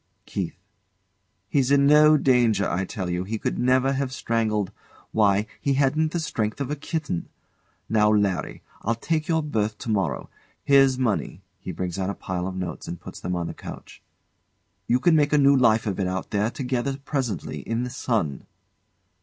KEITH. He's in no danger, I tell you. He could never have strangled Why, he hadn't the strength of a kitten. Now, Larry! I'll take your berth to morrow. Here's money [He brings out a pile of notes and puts them on the couch] You can make a new life of it out there together presently, in the sun.